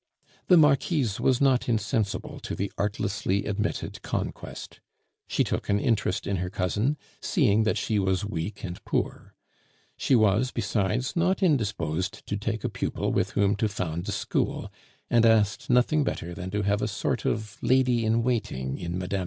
The Marquise was not insensible to the artlessly admitted conquest. She took an interest in her cousin, seeing that she was weak and poor; she was, besides, not indisposed to take a pupil with whom to found a school, and asked nothing better than to have a sort of lady in waiting in Mme.